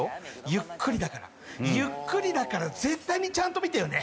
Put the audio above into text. ゆっくりだからゆっくりだから絶対にちゃんと見てよね